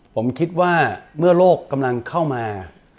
ผมคิดว่าเมื่อโลกกำลังเข้ามา